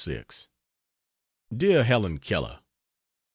DEAR HELEN KELLER